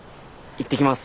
行ってきます。